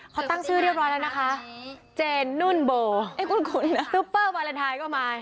เขาตั้งชื่อเรียบร้อยแล้วนะคะเจนนุ่นโบ